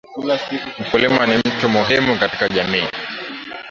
Mkulima ni mtu muhimu katika Jamii